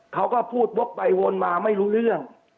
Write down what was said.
เขาก็พูดวกไปวนมาไม่รู้เรื่อง